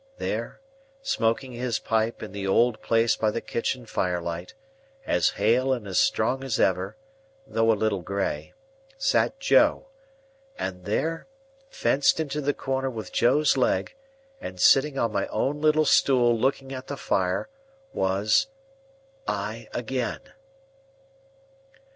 There, smoking his pipe in the old place by the kitchen firelight, as hale and as strong as ever, though a little grey, sat Joe; and there, fenced into the corner with Joe's leg, and sitting on my own little stool looking at the fire, was—I again!